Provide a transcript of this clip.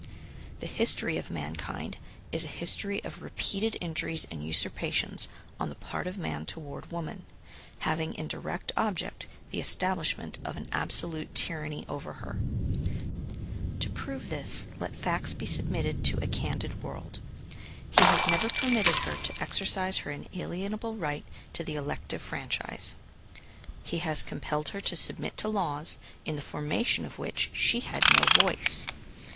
The history of mankind is a history of repeated injuries and usurpa tions on the part of man toward woman, having in direct object the estab lishment of an absolute tyranny over her. To prove this, let facts be sub mitted to a candid world. He has never permitted her to exercise her inalienable right to the elective franchise. He has compelled her to submit to laws, in the formation of which she had no voice.